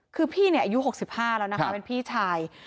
คือพี่เนี่ยอายุหกสิบห้าแล้วนะคะเป็นพี่ชาย